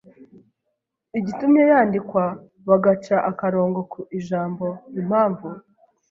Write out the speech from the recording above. igitumye yandikwa bagaca akarongo ku ijambo “impamvu”.